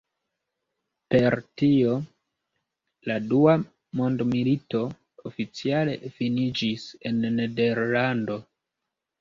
Per tio la dua mondmilito oficiale finiĝis en Nederlando.